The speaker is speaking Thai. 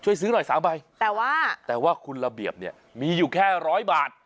ช่วยซื้อหน่อยสามใบแต่ว่าแต่ว่าคุณระเบียบเนี่ยมีอยู่แค่ร้อยบาท